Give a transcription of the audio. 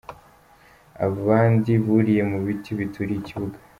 Abandi buriye mu biti bituriye ikibuga.